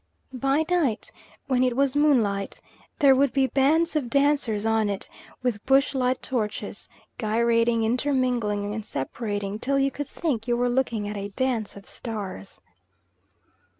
By night when it was moonlight there would be bands of dancers on it with bush light torches, gyrating, intermingling and separating till you could think you were looking at a dance of stars.